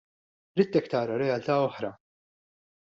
Ridtek tara realtà oħra.